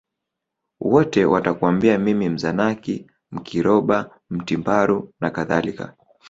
Wote watakwambia mimi Mzanaki Mkiroba Mtimbaru nakadhalika